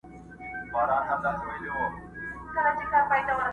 لږ صبر سه توپانه لا څپې دي چي راځي!!